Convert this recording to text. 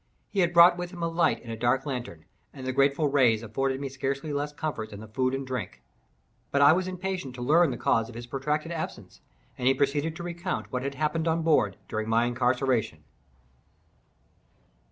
He had brought with him a light in a dark lantern, and the grateful rays afforded me scarcely less comfort than the food and drink. But I was impatient to learn the cause of his protracted absence, and he proceeded to recount what had happened on board during my incarceration.